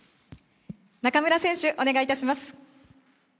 中村選手、お願いいたします。